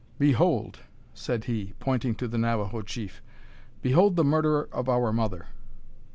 "Behold!" said he, pointing to the Navajo chief; "behold the murderer of our mother!"